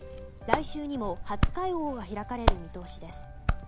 来週にも初会合が開かれる見通しです。